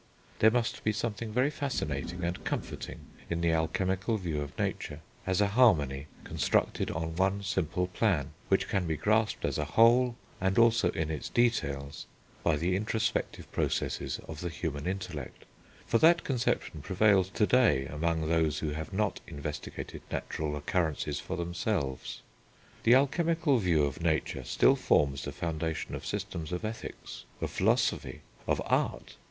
There must be something very fascinating and comforting in the alchemical view of nature, as a harmony constructed on one simple plan, which can be grasped as a whole, and also in its details, by the introspective processes of the human intellect; for that conception prevails to day among those who have not investigated natural occurrences for themselves. The alchemical view of nature still forms the foundation of systems of ethics, of philosophy, of art.